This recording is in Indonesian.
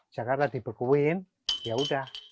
jakarta dibekuin ya sudah